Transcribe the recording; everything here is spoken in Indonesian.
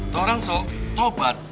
tuh orang so taubat